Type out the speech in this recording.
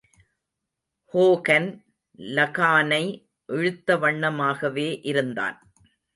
Hogan லகானை இழுத்தவண்ணமாகவே இருந்தான்.